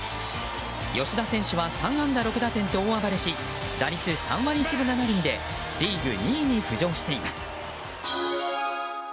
吉田選手は３安打６打点と大暴れし打率３割１分７厘でリーグ２位に浮上しています。